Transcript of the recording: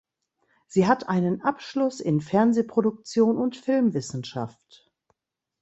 Sie hat einen Abschluss in Fernsehproduktion und Filmwissenschaft.